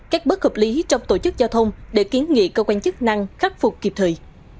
các bất hợp lý trong tổ chức giao thông để kiến nghị cơ quan chức năng khắc phục kịp thời